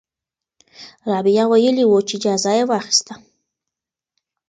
رابعه ویلي وو چې اجازه یې واخیسته.